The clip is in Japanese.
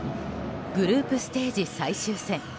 グループステージ最終戦。